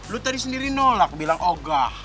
lo tadi sendiri nolak bilang oh gah